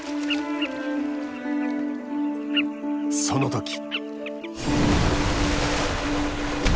その時。